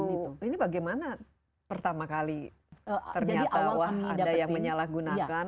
ini bagaimana pertama kali ternyata wah ada yang menyalahgunakan